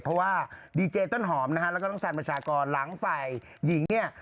เพราะว่าดีเจต้นหอมนะฮะแล้วก็น้องสันประชากรหลังฝ่ายหญิงเนี่ย